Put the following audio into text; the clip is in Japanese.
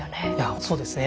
そうですね。